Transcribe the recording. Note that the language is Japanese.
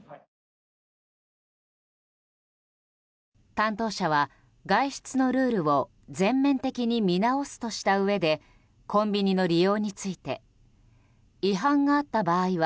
担当者は、外出のルールを全面的に見直すとしたうえでコンビニの利用について違反があった場合は